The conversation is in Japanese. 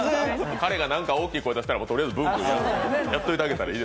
彼が何か大きい声出したら、とりあえずブンブンやってあげたら。